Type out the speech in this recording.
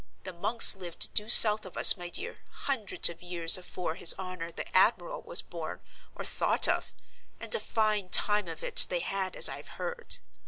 The monks lived due south of us, my dear, hundreds of years afore his honor the admiral was born or thought of, and a fine time of it they had, as I've heard.